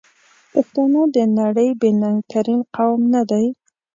پښتانه د نړۍ بې ننګ ترین قوم ندی؟!